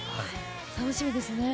楽しみですね。